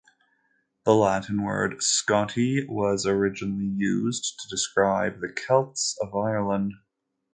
The Latin word "Scotti" was originally used to describe the Celts of Ireland.